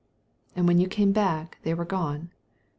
" And when you came back they were gone."